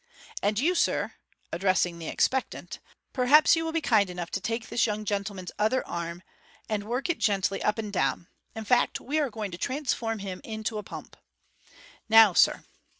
And you, sir " (addressing the expectant), "perhaps you will be kind enough to take this young gentleman's other arm, and work it gently up and down. In fact, we are going to transform him into a pump. Now, sir."